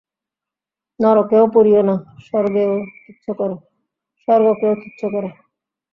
নরকেও পড়িও না, স্বর্গকেও তুচ্ছ কর।